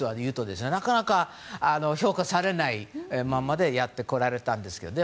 なかなか評価されないままでやってこられたんですけど。